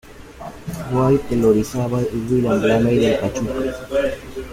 White del Orizaba y William Blamey del Pachuca.